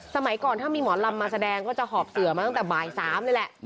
สมัยก่อนถ้ามีหมอลำมาแสดงก็จะหอบเสือมาตั้งแต่บ่าย๓นี่แหละ